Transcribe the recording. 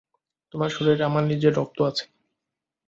তোমার শরীরে আমার নিজের রক্ত আছে।